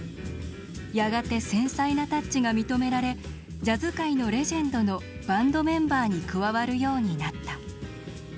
やがて繊細なタッチが認められジャズ界のレジェンドのバンドメンバーに加わるようになった。